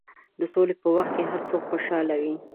د سولې په وخت کې هر څوک خوشحاله وي.